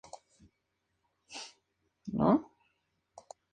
Estas ofrecen un amplio abanico de colores vivos.